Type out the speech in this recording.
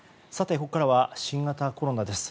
ここからは新型コロナです。